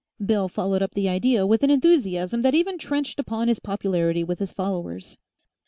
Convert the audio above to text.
Bill followed up the idea with an enthusiasm that even trenched upon his popularity with his followers.